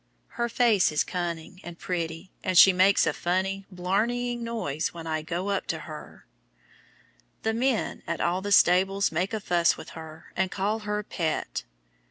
Her face is cunning and pretty, and she makes a funny, blarneying noise when I go up to her. The men at all the stables make a fuss with her, and call her "Pet."